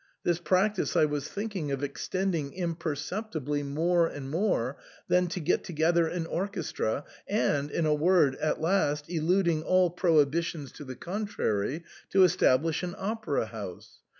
This practice I was thinking of extending im perceptibly more and more, then to get together an orchestra, and, in a word, at last, eluding all prohibi tions to the contrary, to establish an opera house.